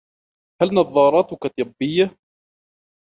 هل نظاراتك طبية ؟